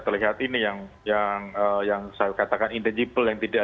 terlihat ini yang saya katakan intangible yang tidak